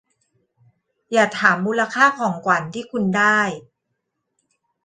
อย่าถามมูลค่าของขวัญที่คุณได้